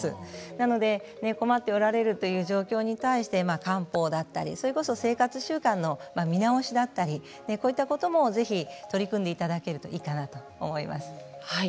ですから困っておられるという状況に対して漢方だったりそれこそ生活習慣の見直しだったりこういったこともぜひ取り組んでいただけるといいかなと思います。